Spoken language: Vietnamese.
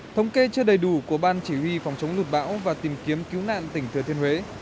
thống kê chưa đầy đủ của ban chỉ huy phòng chống lụt bão và tìm kiếm cứu nạn tỉnh thừa thiên huế